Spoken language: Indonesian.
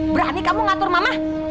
berani kamu ngatur mama